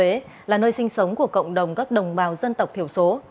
a lưới là nơi sinh sống của cộng đồng các đồng bào dân tộc thiểu số